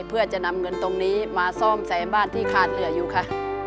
เพื่อจะนำเงินตรงนี้มาซ่อมแซมบ้านที่ขาดเหลืออยู่ค่ะ